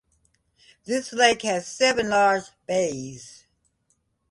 This lake has seven large bays.